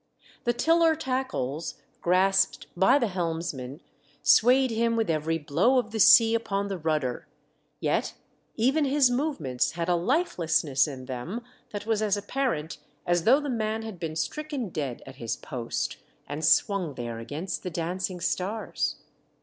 The tiller tackles, grasped by the helmsman, swayed him with every blow of the sea upon the rudder, yet even his movements had a lifelessness in them that was as apparent as though the man had been stricken dead at his post, and swung there against the dancing stars.